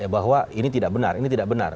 bahwa ini tidak benar ini tidak benar